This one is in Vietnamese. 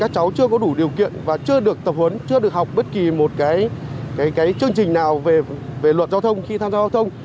chưa có đủ điều kiện và chưa được tập huấn chưa được học bất kỳ một cái chương trình nào về luật giao thông khi tham gia giao thông